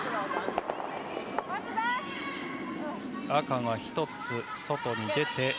赤が１つ外に出て。